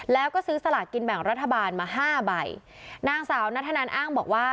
แล้วก็ซื้อสลากกินแบ่งรัฐบาลมาห้าใบนางสาวนัทธนันอ้างบอกว่า